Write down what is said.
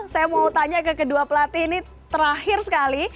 saya mau tanya ke kedua pelatih ini terakhir sekali